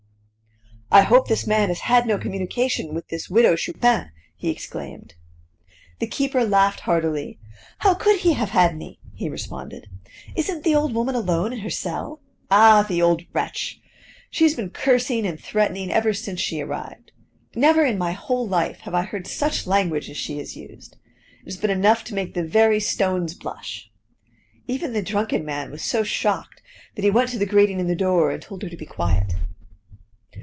"I hope this man has had no communication with this Widow Chupin!" he exclaimed. The keeper laughed heartily. "How could he have had any?" he responded. "Isn't the old woman alone in her cell? Ah, the old wretch! She has been cursing and threatening ever since she arrived. Never in my whole life have I heard such language as she has used. It has been enough to make the very stones blush; even the drunken man was so shocked that he went to the grating in the door, and told her to be quiet."